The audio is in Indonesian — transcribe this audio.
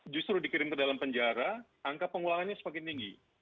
justru dikirim ke dalam penjara angka pengulangannya semakin tinggi